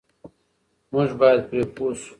موږ بايد پرې پوه شو.